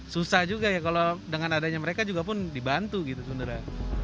susah juga ya kalau dengan adanya mereka juga pun dibantu gitu sebenarnya